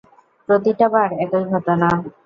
প্রতিটা বার একই ঘটনা!